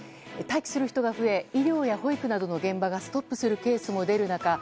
待機する人が増え医療や保育などの現場がストップするケースも出る中